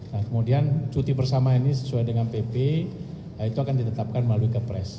nah kemudian cuti bersama ini sesuai dengan pp itu akan ditetapkan melalui kepres